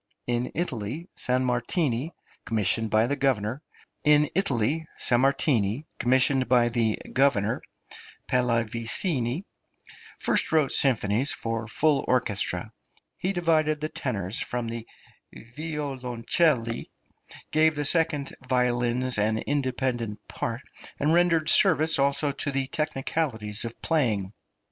In Italy, Sammartini, commissioned by the governor, Pallavicini, first wrote symphonies for full orchestra; he divided the tenors from the violoncelli, gave the second violins an independent part, and rendered service also to the technicalities of playing.